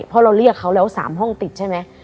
เพราะเราเรียกเขาแล้ว๓ห้องติดใช่ไหม